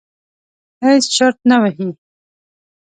هېڅ چرت نه وهي.